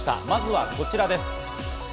まずはこちらです。